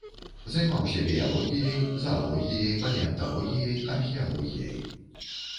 Займаўся біялогіяй, заалогіяй, палеанталогіяй, археалогіяй.